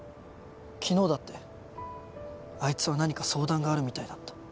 昨日だってあいつは何か相談があるみたいだった。